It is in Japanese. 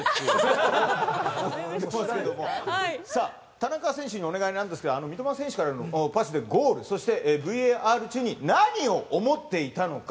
田中選手にお願いなんですが三笘選手からのパスでゴールそしてＶＡＲ中に何を思っていたのか。